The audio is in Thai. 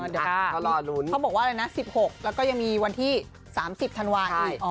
เดี๋ยวรอลุ้นเขาบอกว่าอะไรนะ๑๖แล้วก็ยังมีวันที่๓๐ธันวาคอีก